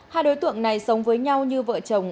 hai đối tượng này sống với nhau như vợ chồng